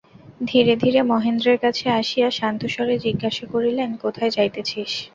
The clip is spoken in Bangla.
ধীরে ধীরে মহেন্দ্রের কাছে আসিয়া শান্তস্বরে জিজ্ঞাসা করিলেন, কোথায় যাইতেছিস।